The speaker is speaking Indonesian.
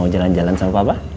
mau jalan jalan sama papa